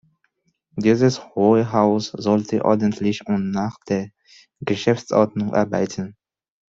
Dieses Hohe Haus sollte ordentlich und nach der Geschäftsordnung arbeiten.